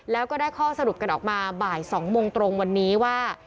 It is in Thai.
แล้วก็ได้ข้อสรุปกันออกมาบ่าย๒โมงตรงวันนี้ว่า